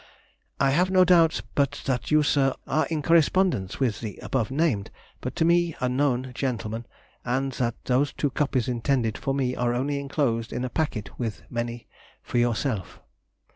I have no doubt but that you, Sir, are in correspondence with the above named, but to me unknown, gentlemen, and that those two copies intended for me are only enclosed in a packet with many for yourself.